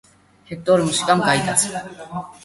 ჰექტორი მუსიკამ გაიტაცა.